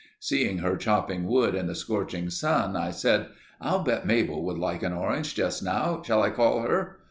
Seeing her chopping wood in the scorching sun I said, "I'll bet Mabel would like an orange just now. Shall I call her?"